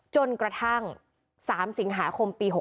จนกระทั่ง๓สิงหาคมปี๖๖